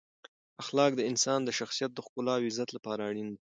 اخلاق د انسان د شخصیت د ښکلا او عزت لپاره اړین دی.